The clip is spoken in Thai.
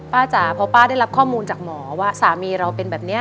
จ๋าพอป้าได้รับข้อมูลจากหมอว่าสามีเราเป็นแบบนี้